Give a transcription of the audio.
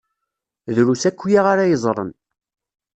Drus akya ara yeẓṛen.